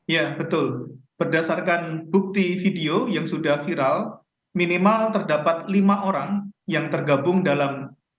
ya betul berdasarkan bukti video yang sudah viral minimal terdapat lima orang yang tergabung dalam